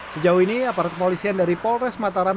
sejauh ini aparat kepolisian dari polres mataram